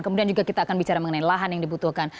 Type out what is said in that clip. kemudian juga kita akan bicara mengenai lahan yang dibutuhkan